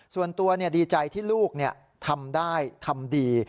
ส่วนตัวดีใจที่ลูกทำได้ทำดี